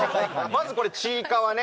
まずこれちいかわね。